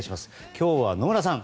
今日は野村さん。